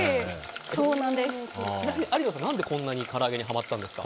ちなみに、有野さん何でこんなにから揚げにハマったんですか？